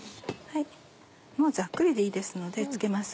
ざっくりでいいですので付けます。